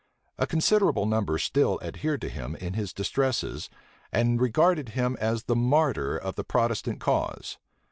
A considerable number still adhered to him in his distresses, and regarded him as the martyr of the Protestant cause.